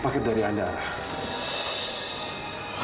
bagai dari anda rah